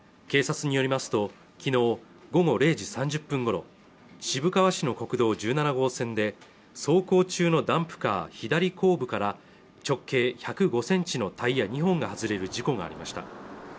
警察によりますときのう午後０時３０分ごろ渋川市の国道１７号線で走行中のダンプカー左後部から直径１０５センチのタイヤ２本が外れる事故がありました